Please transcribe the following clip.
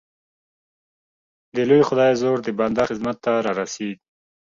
د لوی خدای زور د بنده خدمت ته را رسېږي.